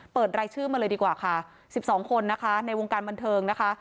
รายชื่อมาเลยดีกว่าค่ะ๑๒คนนะคะในวงการบันเทิงนะคะ